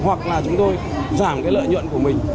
hoặc là chúng tôi giảm cái lợi nhuận của mình